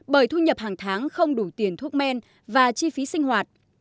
bởi thu nhập hàng tháng không đủ tiền thuốc men và chi phí sinh hoạt